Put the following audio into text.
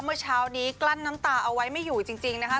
เมื่อเช้านี้กลั้นน้ำตาเอาไว้ไม่อยู่จริงนะคะ